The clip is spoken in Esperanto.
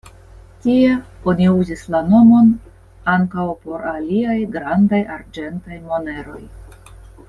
Tie oni uzis la nomon ankaŭ por aliaj grandaj arĝentaj moneroj.